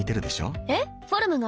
えフォルムが？